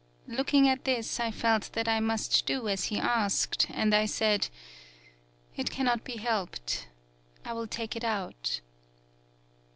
Looking at this, I felt that I must do as he asked, and I said: 'It cannot be helped. I will take it out.'